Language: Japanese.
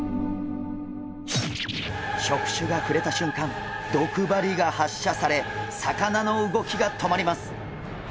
触手が触れたしゅんかん毒針が発射され魚の動きが止まります。